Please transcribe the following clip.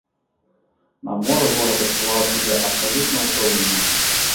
На моры горад адчуваў сябе абсалютна ўпэўнена.